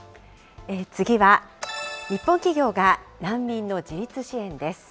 次は、日本企業が難民の自立支援です。